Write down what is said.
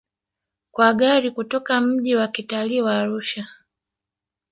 Kwa gari kutoka mji wa kitalii wa Arusha